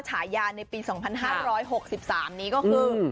ฉายาในปี๒๕๖๓นี้ก็คือ